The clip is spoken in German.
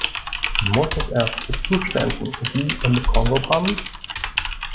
Muss es erst zu Zuständen wie im Kongo kommen?